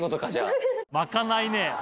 巻かない。